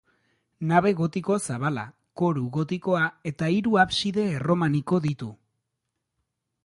Nabe gotiko zabala, koru gotikoa eta hiru abside erromaniko ditu.